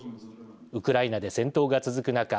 ウクライナで戦闘が続く中